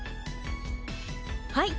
はい。